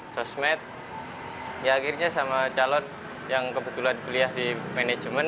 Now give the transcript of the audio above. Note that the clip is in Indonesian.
sosmed ya akhirnya sama calon yang kebetulan kuliah di manajemen